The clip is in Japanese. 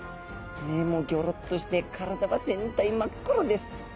目もギョロッとして体は全体真っ黒です。